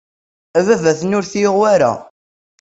Ababat-nni ur t-yuɣ wara.